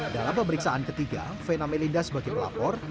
dalam pemeriksaan ketiga vena melinda sebagai pelapor